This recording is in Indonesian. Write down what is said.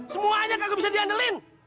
semuanya kagak bisa diandalkan